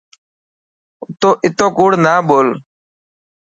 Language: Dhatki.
اتو ڪوڙ نا ٻول.